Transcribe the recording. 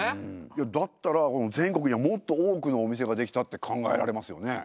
いやだったら全国にはもっと多くのお店が出来たって考えられますよね。